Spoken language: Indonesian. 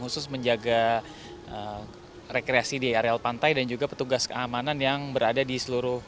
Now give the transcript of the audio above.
khusus menjaga rekreasi di areal pantai dan juga petugas keamanan yang berada di seluruh